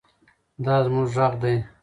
دا زموږ غږ دی.